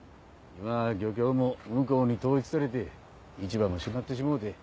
今は漁協も向こうに統一されて市場もしまってしもうて。